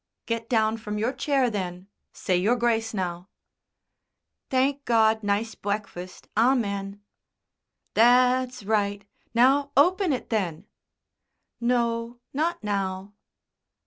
"Get down from your chair, then. Say your grace now." "Thank God nice bweakfast, Amen." "That's right! Now open it, then." "No, not now."